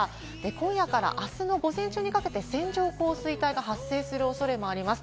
今夜からあすの午前中にかけて線状降水帯が発生する恐れもあります。